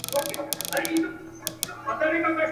چي به مو ژغوري له بلاګانو.